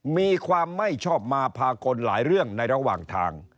มีความไม่ชอบมาพากลหลายเรื่องในระหว่างทาง